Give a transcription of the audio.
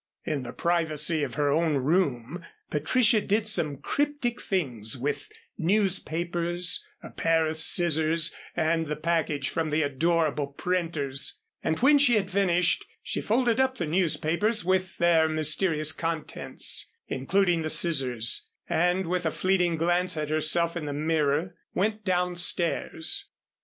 In the privacy of her own room Patricia did some cryptic things with newspapers, a pair of scissors, and the package from the adorable printers, and when she had finished, she folded up the newspapers, with their mysterious contents, including the scissors, and with a fleeting glance at herself in the mirror, went down stairs.